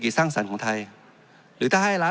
จริงโครงการนี้มันเป็นภาพสะท้อนของรัฐบาลชุดนี้ได้เลยนะครับ